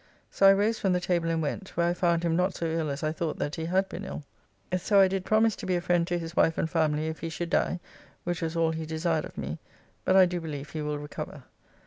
So I rose from the table and went, where I found him not so ill as I thought that he had been ill. So I did promise to be a friend to his wife and family if he should die, which was all he desired of me, but I do believe he will recover.